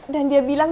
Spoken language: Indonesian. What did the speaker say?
dan dia bilang